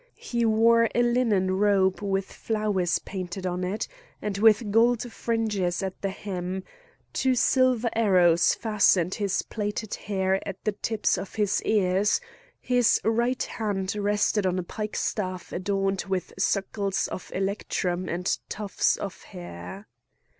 He wore a linen robe with flowers painted on it, and with gold fringes at the hem; two silver arrows fastened his plaited hair at the tips of his ears; his right hand rested on a pike staff adorned with circles of electrum and tufts of hair.